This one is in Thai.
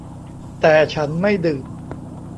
แต่ฉันไม่ดื่ม